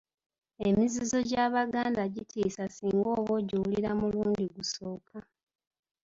Emizizo gy'Abaganda gitiisa singa oba ogiwulira mulundi gusooka.